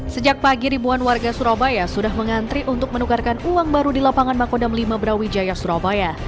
sejak pagi ribuan warga surabaya sudah mengantri untuk menukarkan uang baru di lapangan makodam lima brawijaya surabaya